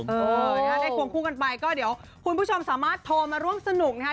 เออนะฮะได้ควงคู่กันไปก็เดี๋ยวคุณผู้ชมสามารถโทรมาร่วมสนุกนะฮะ